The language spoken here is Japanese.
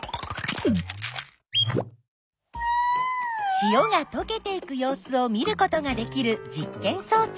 塩がとけていく様子を見ることができる実験そう置。